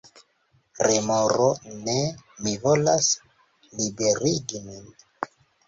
Remoro: "Ne. Mi volas liberigi min!"